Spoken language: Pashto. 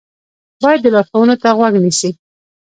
بیا لارښوونو ته غوږ نیسي.